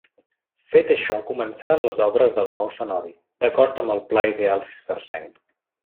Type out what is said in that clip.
Fet això començaren les obres del nou cenobi, d'acord amb el pla ideal cistercenc.